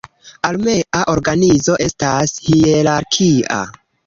Armea organizo estas hierarkia.